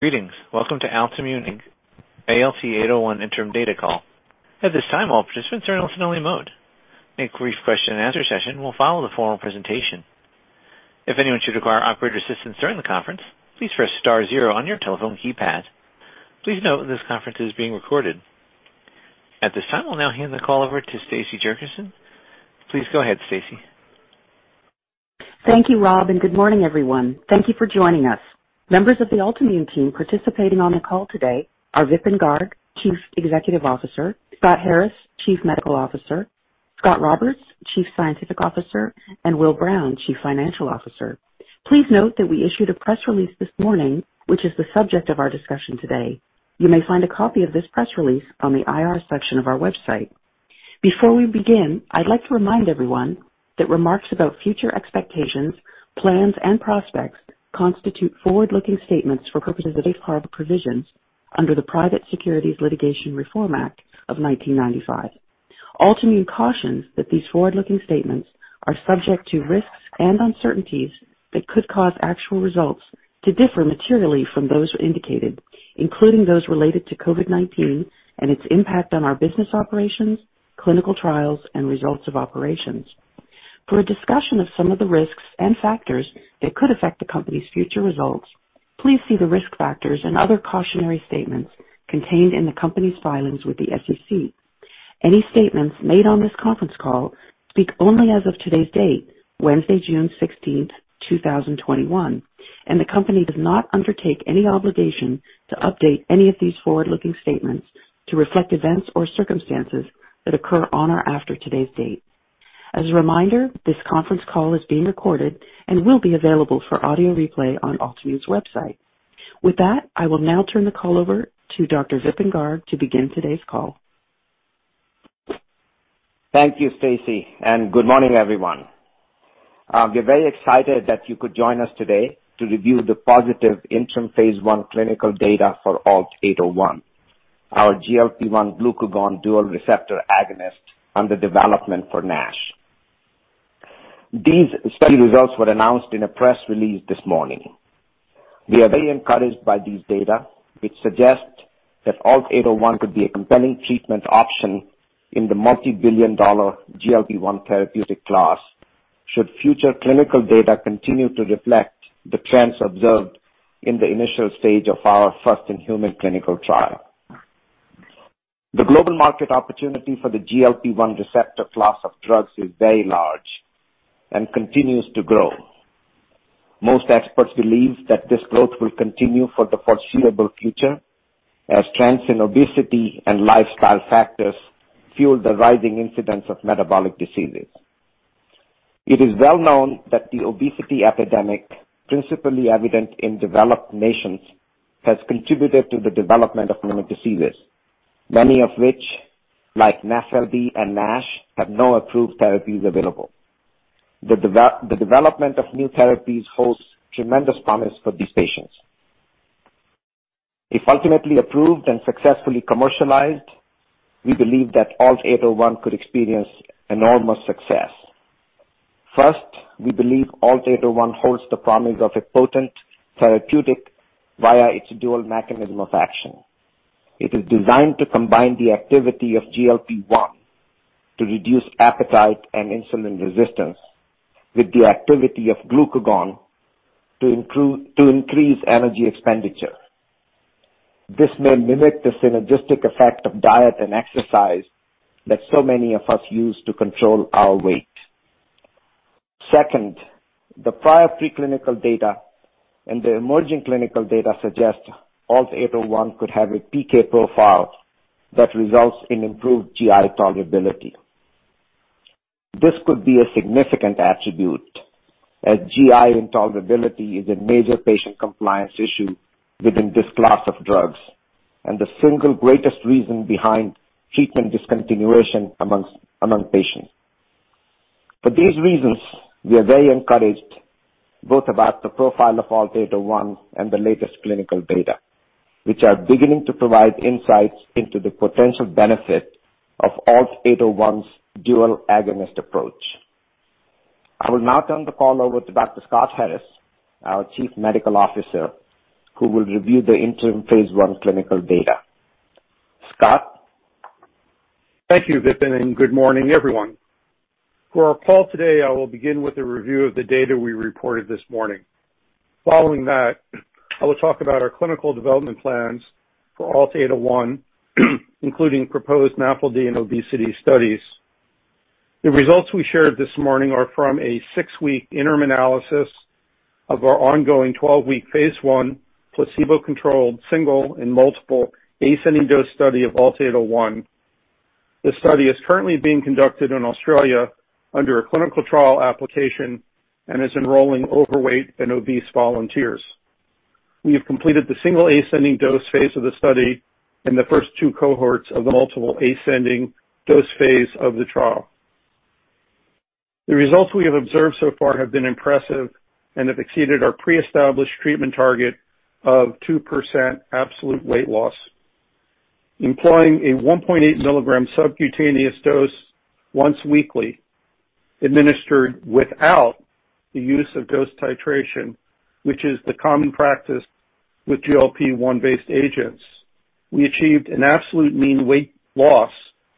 Greetings. Welcome to Altimmune, Inc., ALT-801 interim data call. At this time, all participants are in listen-only mode. A brief question-and-answer session will follow the formal presentation. If anyone should require operator assistance during the conference, please press star zero on your telephone keypad. Please note this conference is being recorded. At this time, I'll now hand the call over to Stacey Jurchison. Please go ahead, Stacey. Thank you, Rob, and good morning, everyone. Thank you for joining us. Members of the Altimmune team participating on the call today are Vipin Garg, Chief Executive Officer, Scott Harris, Chief Medical Officer, Scot Roberts, Chief Scientific Officer, and Will Brown, Chief Financial Officer. Please note that we issued a press release this morning, which is the subject of our discussion today. You may find a copy of this press release on the IR section of our website. Before we begin, I'd like to remind everyone that remarks about future expectations, plans, and prospects constitute forward-looking statements for purposes of safe harbor provisions under the Private Securities Litigation Reform Act of 1995. Altimmune cautions that these forward-looking statements are subject to risks and uncertainties that could cause actual results to differ materially from those indicated, including those related to COVID-19 and its impact on our business operations, clinical trials, and results of operations. For a discussion of some of the risks and factors that could affect the company's future results, please see the risk factors and other cautionary statements contained in the company's filings with the SEC. Any statements made on this conference call speak only as of today's date, Wednesday, June 16, 2021, and the company does not undertake any obligation to update any of these forward-looking statements to reflect events or circumstances that occur on or after today's date. As a reminder, this conference call is being recorded and will be available for audio replay on Altimmune's website. With that, I will now turn the call over to Dr. Vipin Garg to begin today's call. Thank you, Stacey, and good morning, everyone. I'm very excited that you could join us today to review the positive interim phase I clinical data for ALT-801, our GLP-1 glucagon dual receptor agonist under development for NASH. These study results were announced in a press release this morning. We are very encouraged by these data, which suggest that ALT-801 could be a compelling treatment option in the multi-billion dollar GLP-1 therapeutic class should future clinical data continue to reflect the trends observed in the initial stage of our first-in-human clinical trial. The global market opportunity for the GLP-1 receptor class of drugs is very large and continues to grow. Most experts believe that this growth will continue for the foreseeable future as trends in obesity and lifestyle factors fuel the rising incidence of metabolic diseases. It is well known that the obesity epidemic, principally evident in developed nations, has contributed to the development of chronic diseases, many of which, like NAFLD and NASH, have no approved therapies available. The development of new therapies holds tremendous promise for these patients. If ultimately approved and successfully commercialized, we believe that ALT-801 could experience enormous success. First, we believe ALT-801 holds the promise of a potent therapeutic via its dual mechanism of action. It is designed to combine the activity of GLP-1 to reduce appetite and insulin resistance with the activity of glucagon to increase energy expenditure. This may mimic the synergistic effect of diet and exercise that so many of us use to control our weight. Second, the prior preclinical data and the emerging clinical data suggest ALT-801 could have a PK profile that results in improved GI tolerability. This could be a significant attribute, as GI intolerability is a major patient compliance issue within this class of drugs and the one greatest reason behind treatment discontinuation among patients. For these reasons, we are very encouraged both about the profile of ALT-801 and the latest clinical data, which are beginning to provide insights into the potential benefit of ALT-801's dual agonist approach. I will now turn the call over to Dr. M. Scott Harris, our Chief Medical Officer, who will review the interim phase I clinical data. Scott? Thank you, Vipin, and good morning, everyone. For our call today, I will begin with a review of the data we reported this morning. Following that, I will talk about our clinical development plans for ALT-801, including proposed NAFLD and obesity studies. The results we shared this morning are from a six-week interim analysis of our ongoing 12-week phase I placebo-controlled single and multiple ascending dose study of ALT-801. The study is currently being conducted in Australia under a clinical trial application and is enrolling overweight and obese volunteers. We have completed the single ascending dose phase of the study and the first two cohorts of the multiple ascending dose phase of the trial. The results we have observed so far have been impressive and have exceeded our pre-established treatment target of 2% absolute weight loss. Employing a 1.8 mg subcutaneous dose once weekly, administered without the use of dose titration, which is the common practice with GLP-1 based agents. We achieved an absolute mean weight loss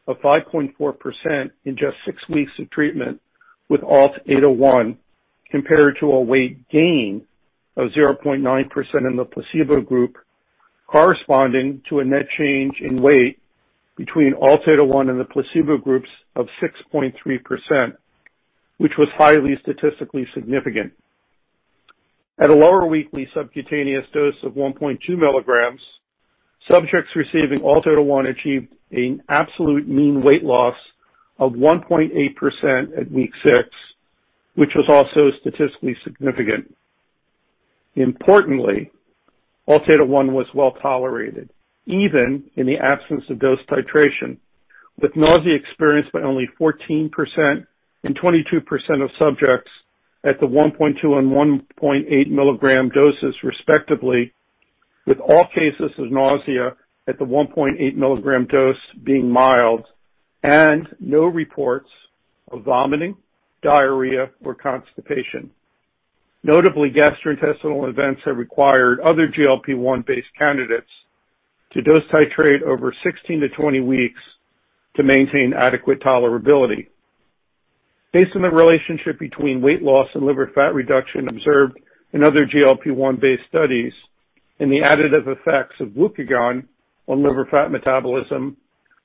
of 5.4% in just six weeks of treatment with ALT-801, compared to a weight gain of 0.9% in the placebo group, corresponding to a net change in weight between ALT-801 and the placebo groups of 6.3%, which was highly statistically significant. At a lower weekly subcutaneous dose of 1.2 mg, subjects receiving ALT-801 achieved an absolute mean weight loss of 1.8% at week six, which was also statistically significant. Importantly, ALT-801 was well-tolerated, even in the absence of dose titration, with nausea experienced by only 14% and 22% of subjects at the 1.2 mg and 1.8 mg doses respectively, with all cases of nausea at the 1.8 mg dose being mild and no reports of vomiting, diarrhea, or constipation. Notably, gastrointestinal events have required other GLP-1 based candidates to dose titrate over 16-20 weeks to maintain adequate tolerability. Based on the relationship between weight loss and liver fat reduction observed in other GLP-1 based studies and the additive effects of glucagon on liver fat metabolism,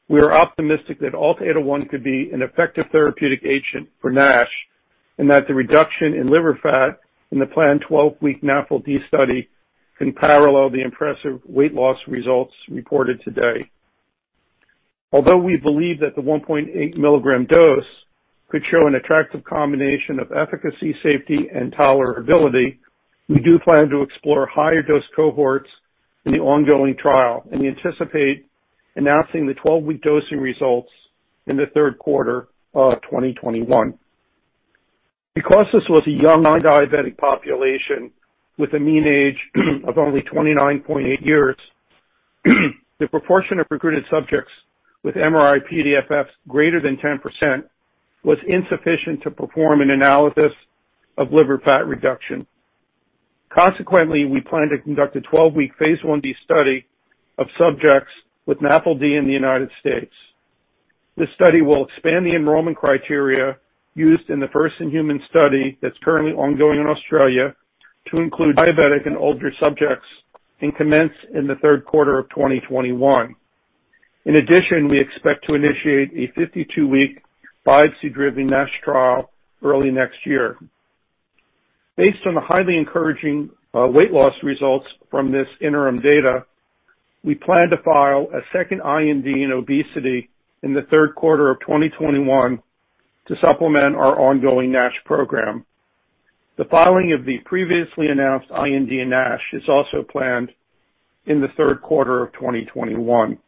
we are optimistic that ALT-801 could be an effective therapeutic agent for NASH, and that the reduction in liver fat in the planned 12-week NAFLD study can parallel the impressive weight loss results reported today. Although we believe that the 1.8 mg dose could show an attractive combination of efficacy, safety, and tolerability, we do plan to explore higher dose cohorts in the ongoing trial and anticipate announcing the 12-week dosing results in the third quarter of 2021. This was a young non-diabetic population with a mean age of only 29.8 years, the proportion of recruited subjects with MRI-PDFFs greater than 10% was insufficient to perform an analysis of liver fat reduction. We plan to conduct a 12-week phase I-B study of subjects with NAFLD in the U.S. This study will expand the enrollment criteria used in the first-in-human study that's currently ongoing in Australia to include diabetic and older subjects and commence in the third quarter of 2021. We expect to initiate a 52-week biopsy-driven NASH trial early next year. Based on the highly encouraging weight loss results from this interim data, we plan to file a second IND in obesity in the third quarter of 2021 to supplement our ongoing NASH program. The filing of the previously announced IND NASH is also planned in the third quarter of 2021.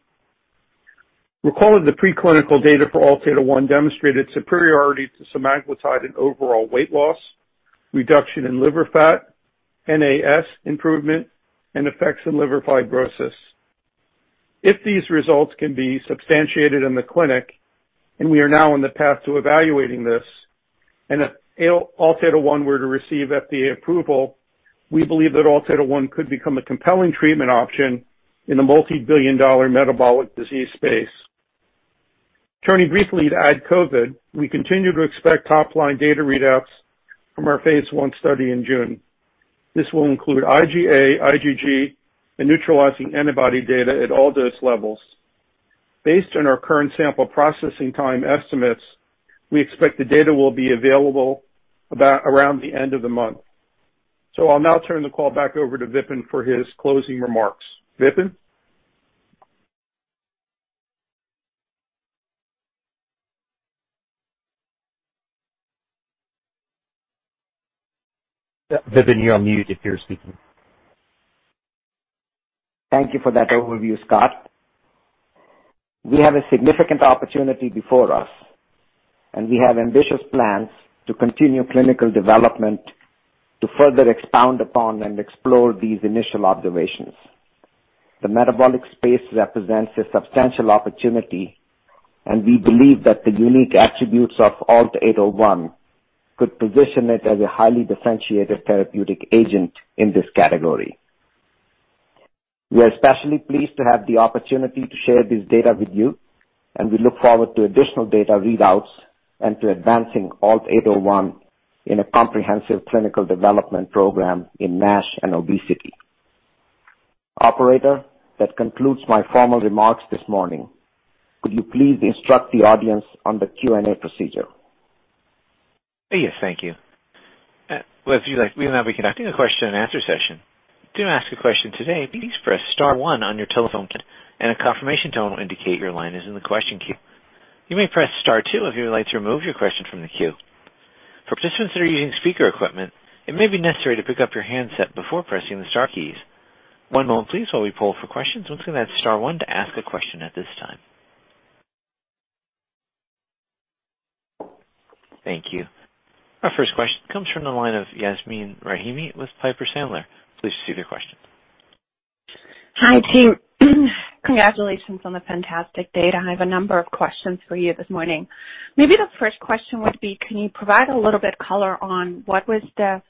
Recall that the preclinical data for ALT-801 demonstrated superiority to semaglutide in overall weight loss, reduction in liver fat, NAS improvement, and effects in liver fibrosis. If these results can be substantiated in the clinic, and we are now on the path to evaluating this, and if ALT-801 were to receive FDA approval, we believe that ALT-801 could become a compelling treatment option in a multi-billion dollar metabolic disease space. Turning briefly to AdCOVID, we continue to expect top-line data readouts from our phase I study in June. This will include IgA, IgG, and neutralizing antibody data at all dose levels. Based on our current sample processing time estimates, we expect the data will be available around the end of the month. I'll now turn the call back over to Vipin for his closing remarks. Vipin? Vipin, you're on mute if you're speaking. Thank you for that overview, Scott. We have a significant opportunity before us, and we have ambitious plans to continue clinical development to further expound upon and explore these initial observations. The metabolic space represents a substantial opportunity, and we believe that the unique attributes of ALT-801 could position it as a highly differentiated therapeutic agent in this category. We are especially pleased to have the opportunity to share this data with you, and we look forward to additional data readouts and to advancing ALT-801 in a comprehensive clinical development program in NASH and obesity. Operator, that concludes my formal remarks this morning. Could you please instruct the audience on the Q&A procedure? Yes, thank you. We have a queue question-and-answer session. To ask a question today, please press star one on your telephone, and a confirmation tone will indicate your line is in the question queue. You may press star two if you would like to remove your question from the queue. For participants that are using speaker equipment, it may be necessary to pick up your handset before pressing the star keys. One moment please while we poll for questions. Once again, that's star one to ask a question at this time. Thank you. Our first question comes from the line of Yasmeen Rahimi with Piper Sandler. Please proceed with your question. Hi, team. Congratulations on the fantastic data. I have a number of questions for you this morning. The first question would be, can you provide a little bit of color on what was the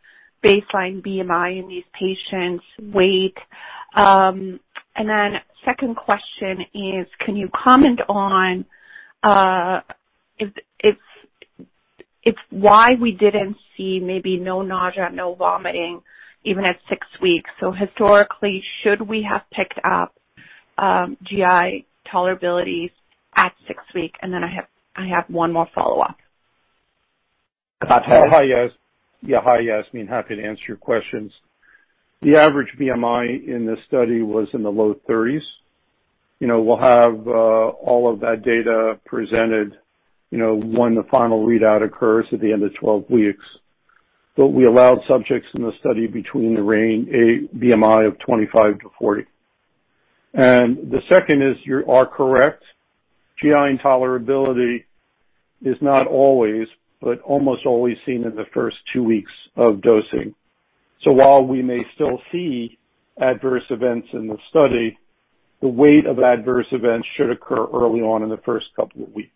baseline BMI in these patients, weight? Second question is, can you comment on why we didn't see maybe no nausea, no vomiting, even at six weeks. Historically, should we have picked up GI tolerability at six weeks? I have one more follow-up. Hi, Yasmeen. Yeah. Hi, Yasmeen. Happy to answer your questions. The average BMI in the study was in the low 30s. We'll have all of that data presented when the final readout occurs at the end of 12 weeks. We allowed subjects in the study between the range, a BMI of 25-40. The second is, you are correct. GI intolerability is not always, but almost always seen in the first two weeks of dosing. While we may still see adverse events in the study, the weight of adverse events should occur early on in the first couple of weeks.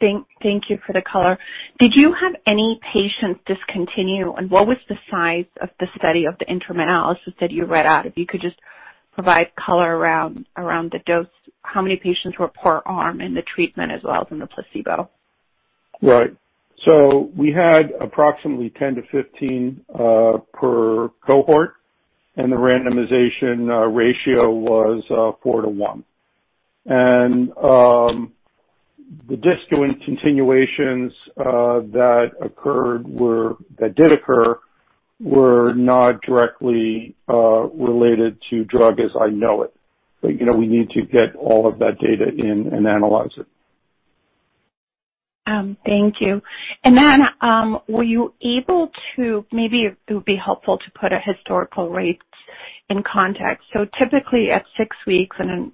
Thank you for the color. Did you have any patients discontinue, and what was the size of the study of the interim analysis that you read out? If you could just provide color around the dose, how many patients were per arm in the treatment as well as in the placebo? Right. We had approximately 10-15 per cohort, and the randomization ratio was 4:1. The discontinuations that did occur were not directly related to drug as I know it. We need to get all of that data in and analyze it. Thank you. Maybe it would be helpful to put a historical rate in context. Typically at six weeks in an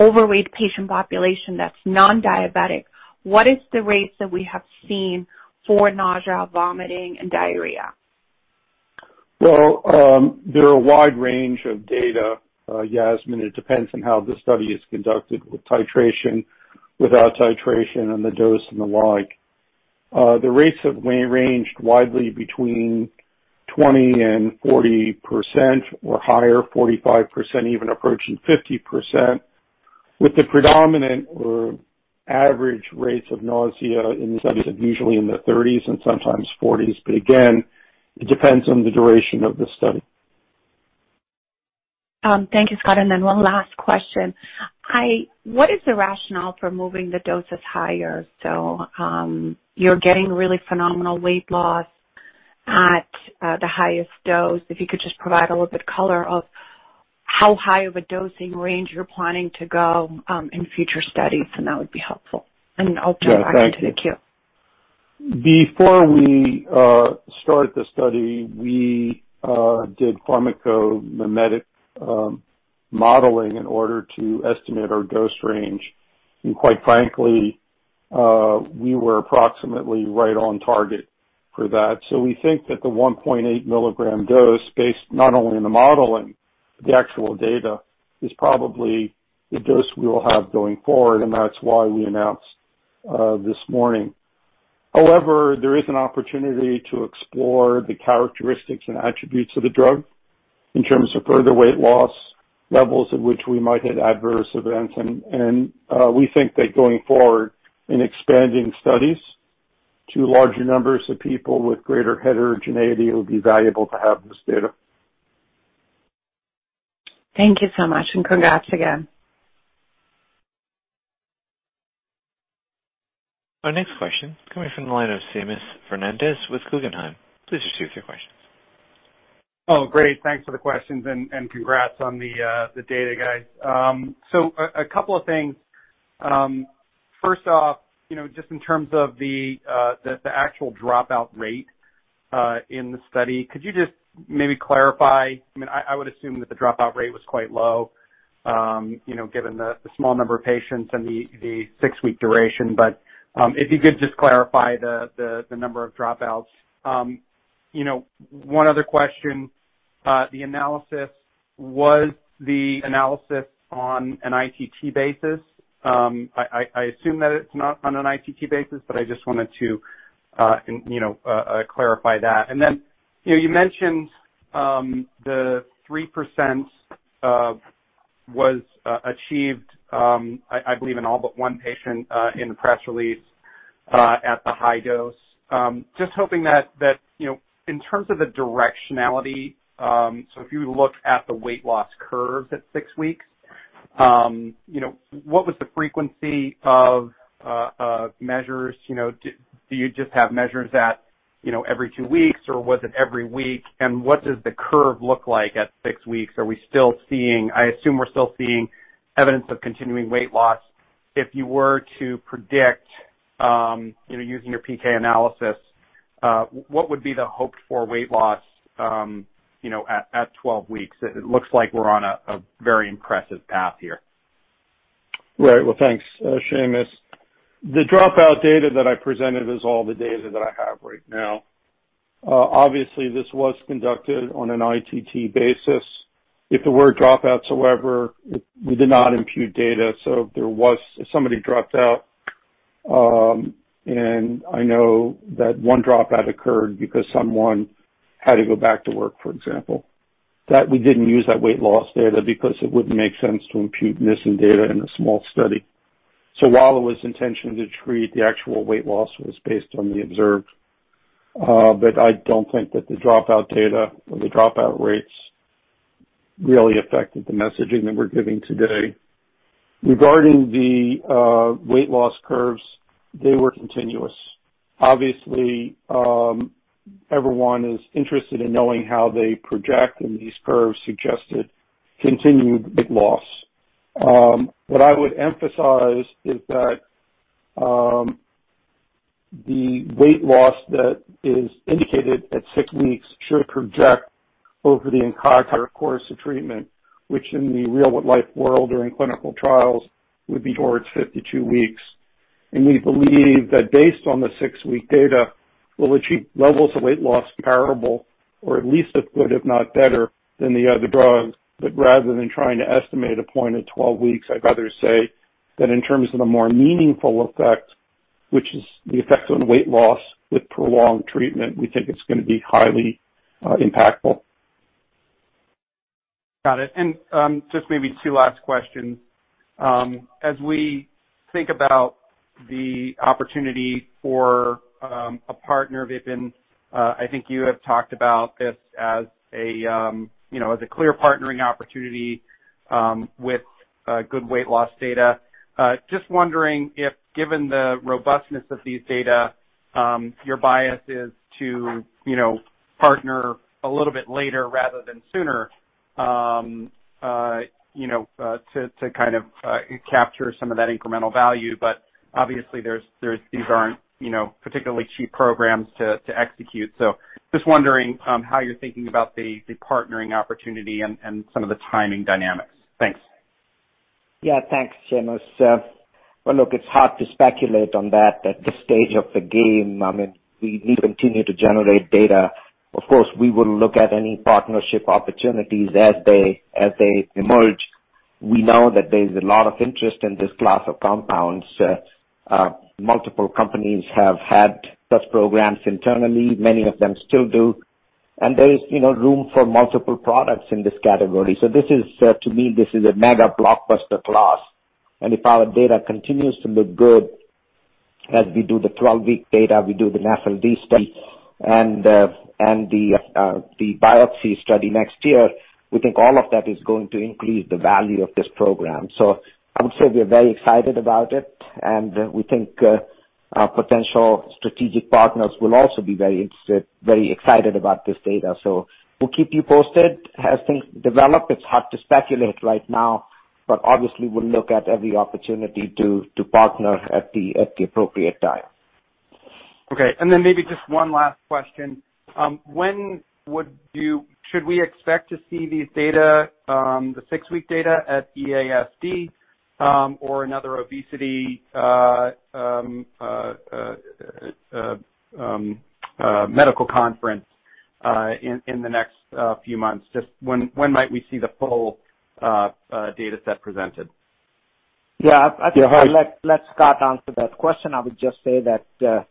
overweight patient population that's non-diabetic, what is the rate that we have seen for nausea, vomiting, and diarrhea? Well, there are a wide range of data, Yasmeen. It depends on how the study is conducted with titration, without titration, and the dose and the like. The rates have ranged widely between 20 and 40% or higher, 45%, even approaching 50%, with the predominant or average rates of nausea in the studies of usually in the 30s and sometimes 40s. Again, it depends on the duration of the study. Thank you, Scott Harris. Then one last question. What is the rationale for moving the dose up higher? You're getting really phenomenal weight loss at the highest dose. If you could just provide a little bit of color of how high of a dosing range you're planning to go, in future studies, then that would be helpful. I'll take that back to the queue. Before we start the study, we did pharmacokinetic modeling in order to estimate our dose range. Quite frankly, we were approximately right on target for that. We think that the 1.8 milligram dose, based not only on the modeling, but the actual data, is probably the dose we will have going forward, and that's why we announced this morning. There is an opportunity to explore the characteristics and attributes of the drug in terms of further weight loss, levels at which we might hit adverse events. We think that going forward in expanding studies to larger numbers of people with greater heterogeneity, it would be valuable to have this data. Thank you so much, congrats again. Our next question is coming from the line of Seamus Fernandez with Guggenheim. Please proceed with your questions. Oh, great. Thanks for the questions and congrats on the data, guys. A couple of things. First off, just in terms of the actual dropout rate in the study, could you just maybe clarify? I would assume that the dropout rate was quite low, given the small number of patients and the six-week duration. If you could just clarify the number of dropouts. One other question. The analysis. Was the analysis on an ITT basis? I assume that it's not on an ITT basis, but I just wanted to clarify that. You mentioned the 3% was achieved, I believe in all but one patient in the press release, at the high dose. Just hoping that in terms of the directionality, if you look at the weight loss curves at six weeks, what was the frequency of measures? Do you just have measures at every two weeks or was it every week? What does the curve look like at six weeks? I assume we're still seeing evidence of continuing weight loss. If you were to predict, using your PK analysis, what would be the hoped-for weight loss at 12 weeks? It looks like we're on a very impressive path here. Well, thanks, Seamus. The dropout data that I presented is all the data that I have right now. This was conducted on an ITT basis. If there were dropouts, however, we did not impute data. If somebody dropped out, and I know that one dropout occurred because someone had to go back to work, for example. That we didn't use that weight loss data because it wouldn't make sense to impute missing data in a small study. While it was Intention-to-Treat, the actual weight loss was based on the observed. I don't think that the dropout data or the dropout rates really affected the messaging that we're giving today. Regarding the weight loss curves, they were continuous. Everyone is interested in knowing how they project. These curves suggested continued weight loss. What I would emphasize is that the weight loss that is indicated at six weeks should project over the entire course of treatment, which in the real life world during clinical trials, would be towards 52 weeks. We believe that based on the six-week data, we'll achieve levels of weight loss comparable, or at least as good if not better than the other drugs. Rather than trying to estimate a point at 12 weeks, I'd rather say that in terms of the more meaningful effect, which is the effect on weight loss with prolonged treatment, we think it's going to be highly impactful. Got it. Just maybe two last questions. As we think about the opportunity for a partner, Vipin, I think you have talked about this as the clear partnering opportunity with good weight loss data. Just wondering if, given the robustness of these data, your bias is to partner a little bit later rather than sooner to kind of capture some of that incremental value. Obviously these aren't particularly cheap programs to execute. Just wondering how you're thinking about the partnering opportunity and some of the timing dynamics. Thanks. Yeah, thanks, Seamus. Well, look, it's hard to speculate on that at this stage of the game. I mean, we continue to generate data. Of course, we will look at any partnership opportunities as they emerge. We know that there's a lot of interest in this class of compounds. Multiple companies have had such programs internally. Many of them still do. There is room for multiple products in this category. This is, to me, this is a mega blockbuster class. If our data continues to look good as we do the 12-week data, we do the 90-day study and the biopsy study next year, we think all of that is going to increase the value of this program. I would say we're very excited about it, and we think potential strategic partners will also be very interested, very excited about this data. We'll keep you posted as things develop. It's hard to speculate right now, but obviously we'll look at every opportunity to partner at the appropriate time. Okay. Maybe just one last question. Should we expect to see these data, the six-week data at EASD or another obesity medical conference in the next few months? When might we see the full dataset presented? Yeah. I'll let Scott answer that question. I would just say that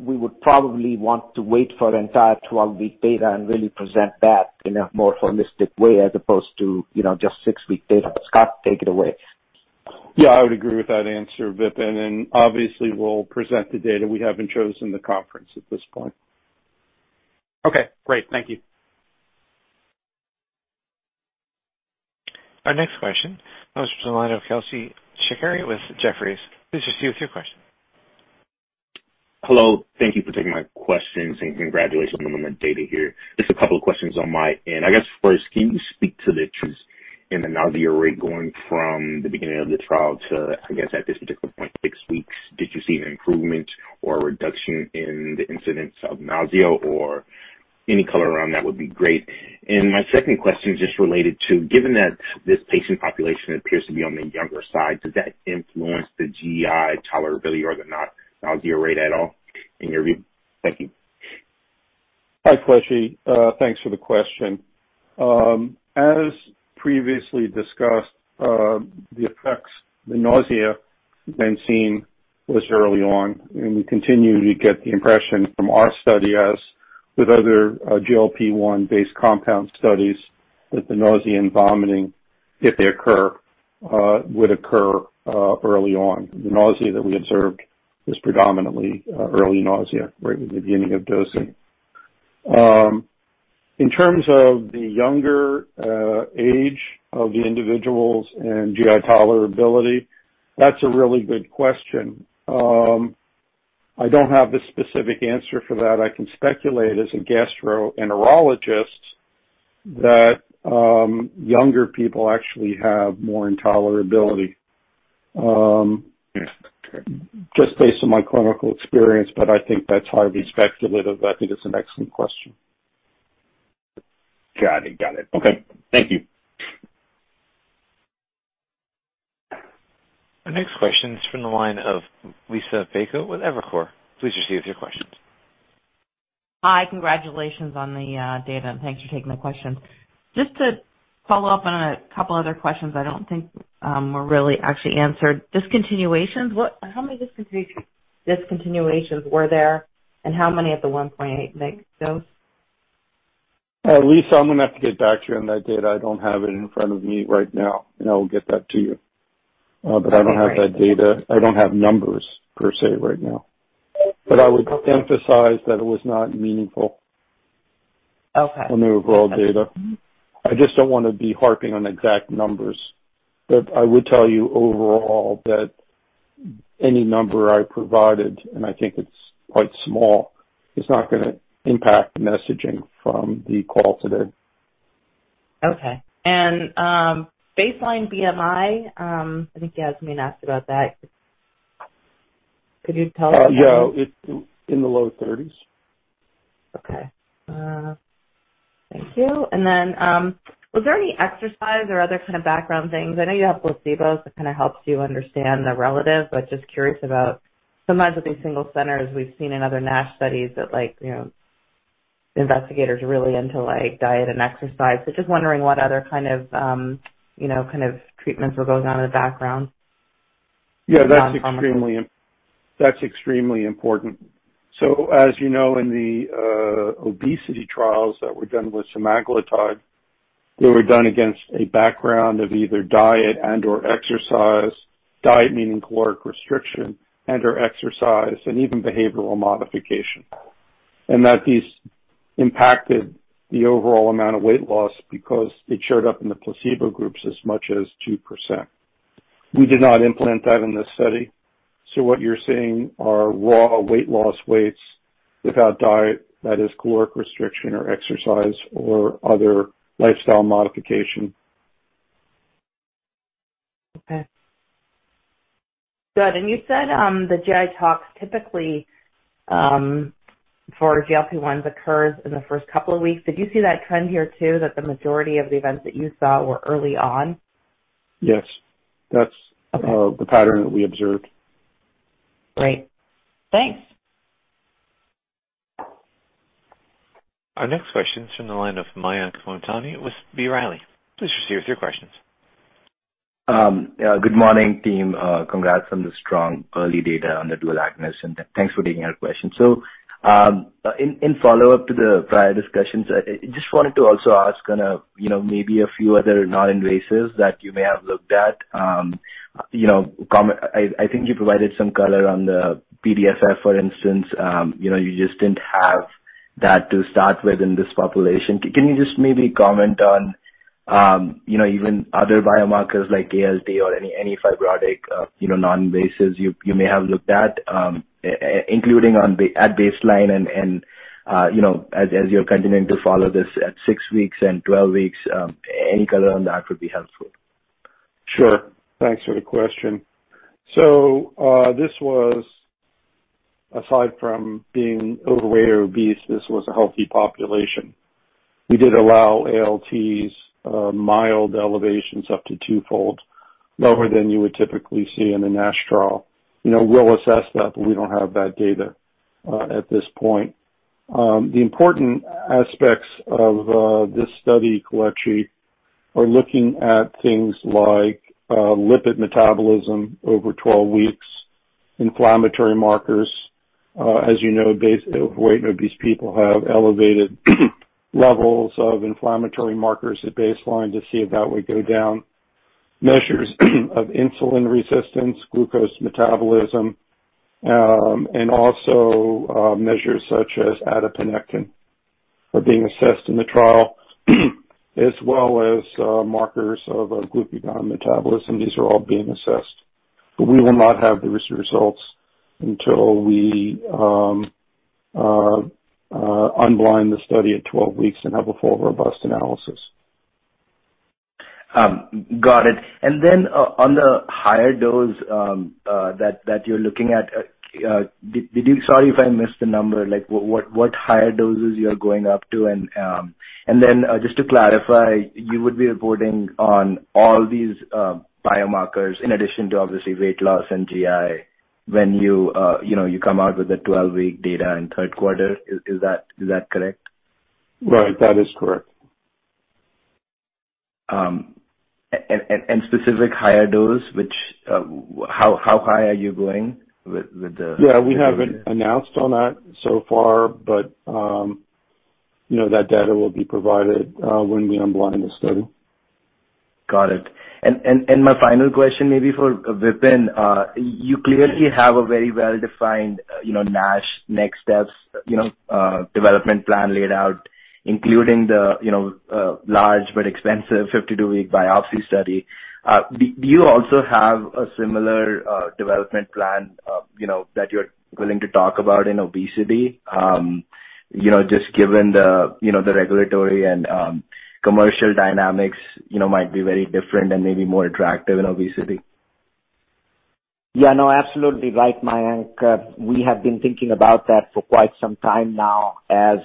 we would probably want to wait for entire 12-week data and really present that in a more holistic way as opposed to just six-week data. Scott, take it away. Yeah, I would agree with that answer, Vipin, and obviously we'll present the data. We haven't chosen the conference at this point. Okay, great. Thank you. Our next question goes to the line of Kelsey [Cicarri] with Jefferies. Kelsey, your question. Hello. Thank you for taking my questions, and congratulations on the data here. Just a couple of questions on my end. I guess first, can you speak to the truth in the nausea rate going from the beginning of the trial to, I guess, at this particular point, six weeks. Did you see an improvement or a reduction in the incidence of nausea? Any color around that would be great. My second question just related to, given that this patient population appears to be on the younger side, does that influence the GI tolerability or the nausea rate at all in your view? Thank you. Hi, Kelsey. Thanks for the question. As previously discussed, the effects, the nausea we've been seeing was early on, and we continue to get the impression from our study, as with other GLP-1 based compound studies, that the nausea and vomiting, if they occur, would occur early on. The nausea that we observed was predominantly early nausea, right at the beginning of dosing. In terms of the younger age of the individuals and GI tolerability, that's a really good question. I don't have a specific answer for that. I can speculate as a gastroenterologist that younger people actually have more intolerability. Okay. Just based on my clinical experience, but I think that's highly speculative. I think it's an excellent question. Got it. Okay, thank you. Our next question is from the line of Liisa Bayko with Evercore. Please proceed with your questions. Hi. Congratulations on the data and thanks for taking the question. Just to follow up on a couple other questions I don't think were really actually answered. Discontinuations. How many discontinuations were there and how many at the 1.8 mg dose? Liisa, I'm going to have to get back to you on that data. I don't have it in front of me right now, and I will get that to you. Okay. I don't have that data. I don't have numbers per se right now. I would emphasize that it was not meaningful. Okay on the overall data. I just don't want to be harping on exact numbers. I would tell you overall that any number I provided, and I think it's quite small, is not going to impact the messaging from the call today. Okay. Baseline BMI, I think Yasmeen asked about that. Could you tell us again? Yeah. It's in the low thirties. Okay. Thank you. Was there any exercise or other kind of background things? I know you have placebos that helps you understand the relative, but just curious about sometimes with these single centers, we've seen in other NASH studies that, investigators are really into diet and exercise. Just wondering what other kind of treatments were going on in the background. Yeah, that's extremely important. As you know, in the obesity trials that were done with semaglutide, they were done against a background of either diet and/or exercise. Diet meaning caloric restriction and/or exercise and even behavioral modification. That these impacted the overall amount of weight loss because it showed up in the placebo groups as much as 2%. We did not implement that in this study, so what you're seeing are raw weight loss weights without diet, that is caloric restriction or exercise or other lifestyle modification. Okay. Good. You said the GI talks typically, for GLP-1s occurs in the first couple of weeks. Did you see that trend here too, that the majority of the events that you saw were early on? Yes. Okay. That's the pattern that we observed. Great. Thanks. Our next question is from the line of Mayank Mamtani with B. Riley. Please proceed with your questions. Good morning, team. Congrats on the strong early data on the dual mechanism. Thanks for taking our question. In follow-up to the prior discussions, I just wanted to also ask, maybe a few other non-invasive that you may have looked at. I think you provided some color on the PDFF, for instance. You just didn't have that to start with in this population. Can you just maybe comment on, even other biomarkers like ALT or any fibrotic, non-invasive you may have looked at, including at baseline and, as you're continuing to follow this at six weeks and 12 weeks, any color on that would be helpful. Sure. Thanks for the question. Aside from being overweight or obese, this was a healthy population. We did allow ALT, mild elevations up to twofold. Lower than you would typically see in a NASH trial. We'll assess that, but we don't have that data at this point. The important aspects of this study, Mayank, are looking at things like lipid metabolism over 12 weeks, inflammatory markers. As you know, overweight and obese people have elevated levels of inflammatory markers at baseline to see if that would go down. Measures of insulin resistance, glucose metabolism, and also, measures such as adiponectin are being assessed in the trial, as well as markers of glucagon metabolism. These are all being assessed. We will not have those results until we unblind the study at 12 weeks and have a full, robust analysis. Got it. On the higher dose that you're looking at, sorry if I missed the number, what higher doses you're going up to, just to clarify, you would be reporting on all these biomarkers in addition to obviously weight loss and GI when you come out with the 12-week data in third quarter. Is that correct? Right. That is correct. Specific higher dose, how high are you going? Yeah, we haven't announced on that so far, but that data will be provided when we unblind the study. Got it. My final question, maybe for Vipin. You clearly have a very well-defined NASH next steps development plan laid out, including the large but expensive 52-week biopsy study. Do you also have a similar development plan that you're willing to talk about in obesity? Just given the regulatory and commercial dynamics might be very different and maybe more attractive in obesity. Yeah, no, absolutely. Right, Mayank. We have been thinking about that for quite some time now as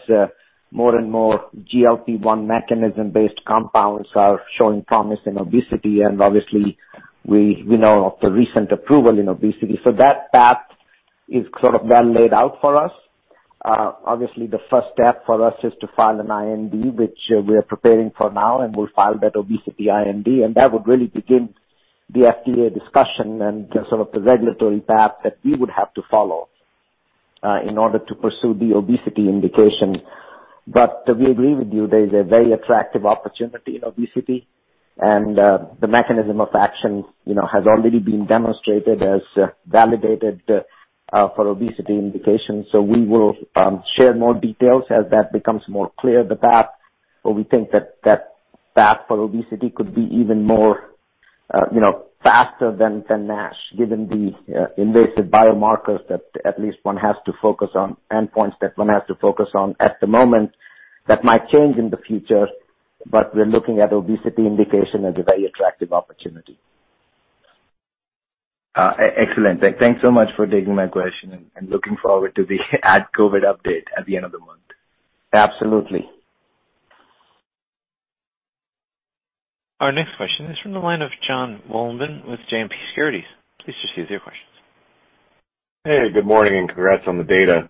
more and more GLP-1 mechanism-based compounds are showing promise in obesity, and obviously we know of the recent approval in obesity. That path is sort of well laid out for us. Obviously, the first step for us is to file an IND, which we are preparing for now, and we'll file that obesity IND, and that would really begin the FDA discussion and sort of the regulatory path that we would have to follow in order to pursue the obesity indication. We agree with you, there's a very attractive opportunity in obesity and the mechanism of action has already been demonstrated as validated for obesity indication. We will share more details as that becomes more clear, the path, but we think that that path for obesity could be even more faster than NASH, given these invasive biomarkers that at least one has to focus on, endpoints that one has to focus on at the moment. That might change in the future, but we're looking at obesity indication as a very attractive opportunity. Excellent. Thanks so much for taking my question and looking forward to the AdCOVID update at the end of the month. Absolutely. Our next question is from the line of Jon Wolleben with JMP Securities. Please proceed with your questions. Hey, good morning, and congrats on the data.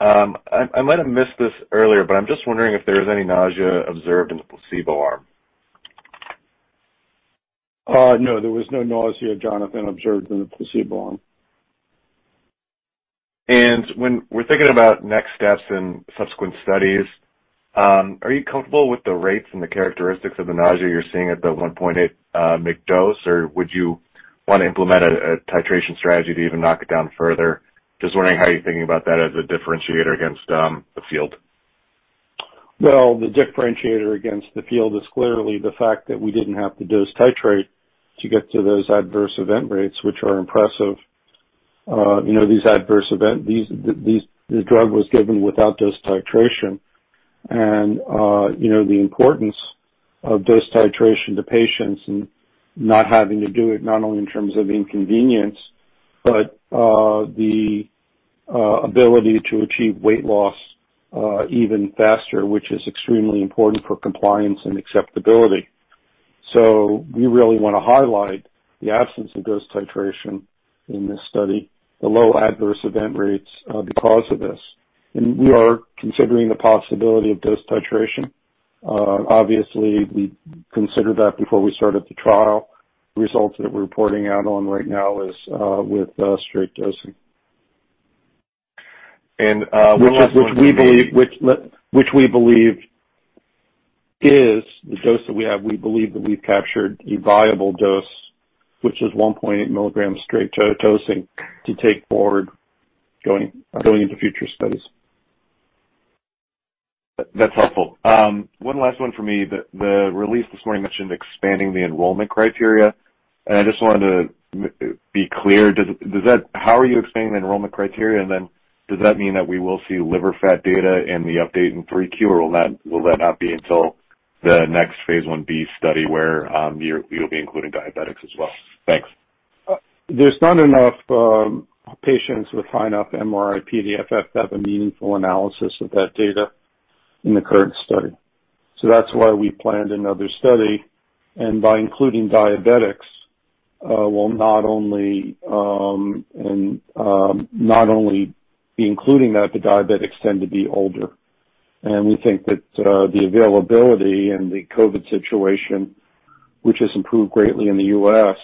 I might have missed this earlier, but I'm just wondering if there was any nausea observed in the placebo arm? No, there was no nausea, Jonathan, observed in the placebo arm. When we're thinking about next steps in subsequent studies, are you comfortable with the rates and the characteristics of the nausea you're seeing at the 1.8 mg dose or would you want to implement a titration strategy to even knock it down further? Just wondering how you're thinking about that as a differentiator against the field. Well, the differentiator against the field is clearly the fact that we didn't have to dose titrate to get to those adverse event rates, which are impressive. The drug was given without dose titration and the importance of dose titration to patients and not having to do it, not only in terms of inconvenience, but the ability to achieve weight loss even faster, which is extremely important for compliance and acceptability. We really want to highlight the absence of dose titration in this study, the low adverse event rates because of this. We are considering the possibility of dose titration. Obviously, we considered that before we started the trial. Results that we're reporting out on right now is with straight dosing. And- Which we believe is the dose that we have. We believe that we've captured the viable dose, which is 1.8 milligrams straight dosing to take forward going into future studies. That's helpful. One last one for me. The release this morning mentioned expanding the enrollment criteria. I just wanted to be clear. How are you expanding the enrollment criteria? Does that mean that we will see liver fat data in the update in Q3, or will that not be until the next phase I-B study where you'll be including diabetics as well? Thanks. There's not enough patients with high enough MRI-PDFFs to have a meaningful analysis of that data in the current study. That's why we planned another study, by including diabetics will not only be including that, the diabetics tend to be older. We think that the availability and the COVID situation, which has improved greatly in the U.S.,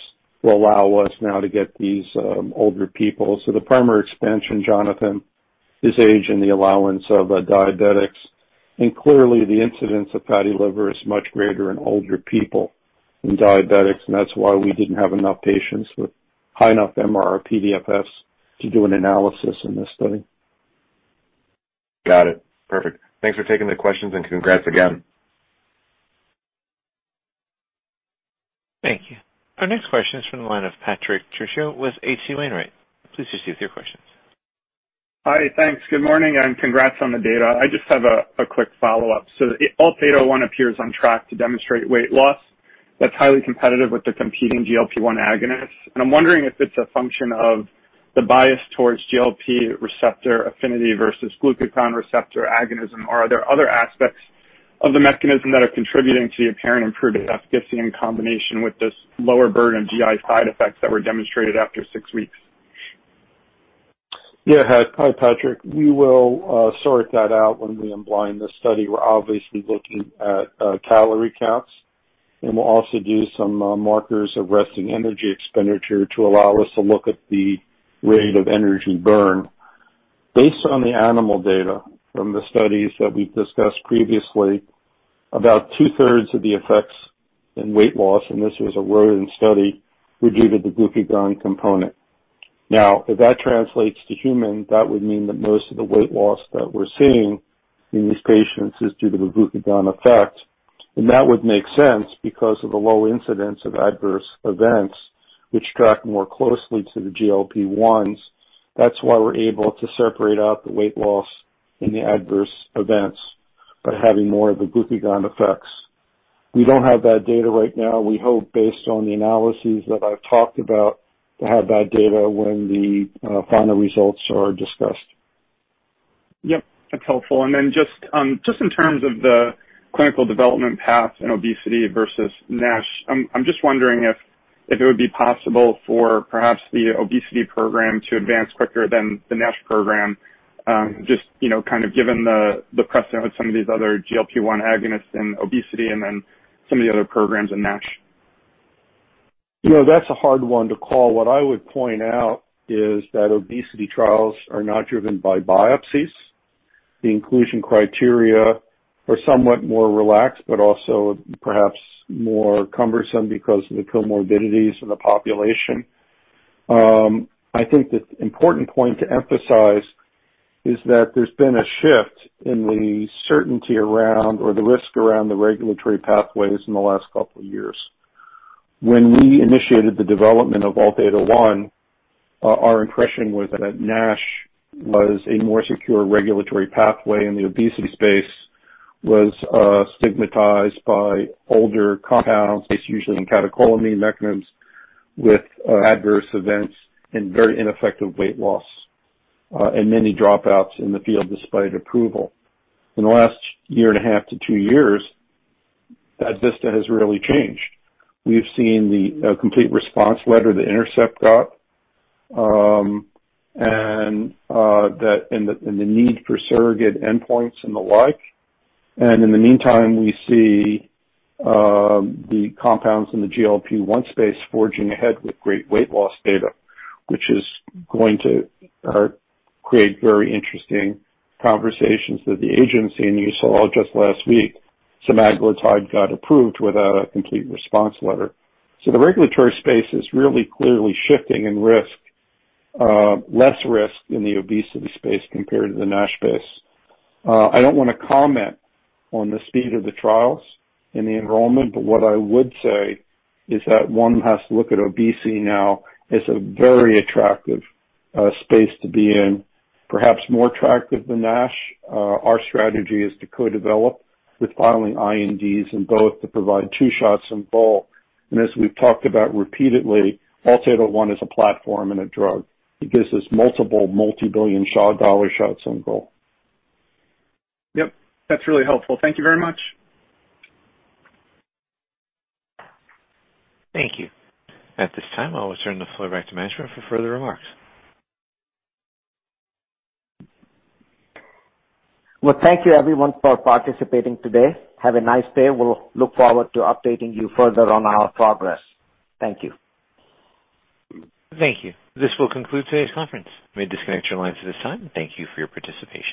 will allow us now to get these older people. The primary expansion, Jonathan, is age and the allowance of diabetics, Clearly the incidence of fatty liver is much greater in older people than diabetics, That's why we didn't have enough patients with high enough MRI-PDFFs to do an analysis in this study. Got it. Perfect. Thanks for taking the questions and congrats again. Thank you. Our next question is from the line of Patrick Trucchio with H.C. Wainwright. Please proceed with your questions. Hi. Thanks. Good morning, and congrats on the data. I just have a quick follow-up. ALT-801 appears on track to demonstrate weight loss that's highly competitive with the competing GLP-1 agonists. I'm wondering if it's a function of the bias towards GLP receptor affinity versus glucagon receptor agonism. Are there other aspects of the mechanism that are contributing to your apparent improved efficacy in combination with this lower burden of GI side effects that were demonstrated after six weeks? Yeah. Hi, Patrick. We will sort that out when we unblind the study. We're obviously looking at calorie counts, and we'll also do some markers of resting energy expenditure to allow us to look at the rate of energy burn. Based on the animal data from the studies that we've discussed previously, about two-thirds of the effects in weight loss, and this was a rodent study, were due to the glucagon component. Now, if that translates to human, that would mean that most of the weight loss that we're seeing in these patients is due to the glucagon effect, and that would make sense because of the low incidence of adverse events, which track more closely to the GLP-1s. That's why we're able to separate out the weight loss in the adverse events by having more of the glucagon effects. We don't have that data right now. We hope based on the analyses that I've talked about to have that data when the final results are discussed. Yep, that's helpful. Just in terms of the clinical development path in obesity versus NASH, I'm just wondering if it would be possible for perhaps the obesity program to advance quicker than the NASH program, just given the precedent with some of these other GLP-1 agonists in obesity and then some of the other programs in NASH. That's a hard one to call. What I would point out is that obesity trials are not driven by biopsies. The inclusion criteria are somewhat more relaxed, but also perhaps more cumbersome because of the comorbidities in the population. I think the important point to emphasize is that there's been a shift in the certainty around, or the risk around the regulatory pathways in the last couple of years. When we initiated the development of ALT-801, our impression was that NASH was a more secure regulatory pathway, and the obesity space was stigmatized by older compounds, based usually on catecholamine mechanisms, with adverse events and very ineffective weight loss, and many dropouts in the field despite approval. In the last year and a half to two years, that vista has really changed. We've seen the complete response letter that Intercept got, and the need for surrogate endpoints and the like. In the meantime, we see the compounds in the GLP-1 space forging ahead with great weight loss data, which is going to create very interesting conversations with the agency. You saw just last week, semaglutide got approved with a complete response letter. The regulatory space is really clearly shifting in risk, less risk in the obesity space compared to the NASH space. I don't want to comment on the speed of the trials and the enrollment, but what I would say is that one has to look at obesity now as a very attractive space to be in, perhaps more attractive than NASH. Our strategy is to co-develop with filing INDs in both to provide two shots on goal. As we've talked about repeatedly, ALT-801 is a platform and a drug. It gives us multiple multi-billion dollar shots on goal. Yep, that's really helpful. Thank you very much. Thank you. At this time, I will turn the floor back to management for further remarks. Well, thank you everyone for participating today. Have a nice day. We'll look forward to updating you further on our progress. Thank you. Thank you. This will conclude today's conference. You may disconnect your lines at this time. Thank you for your participation.